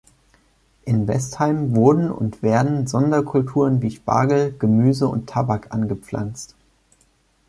In Westheim wurden und werden Sonderkulturen wie Spargel, Gemüse und Tabak angepflanzt.